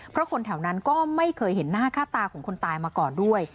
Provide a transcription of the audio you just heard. เพราะคนแถวนั้นก็ไม่เคยเห็นหน้าค่าตาของคนตายมาก่อนด้วย